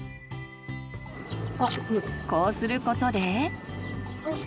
こうすることで。